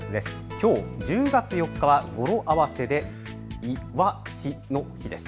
きょう１０月４日は語呂合わせでイワシの日です。